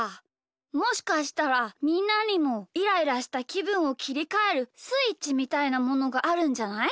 もしかしたらみんなにもイライラしたきぶんをきりかえるスイッチみたいなものがあるんじゃない？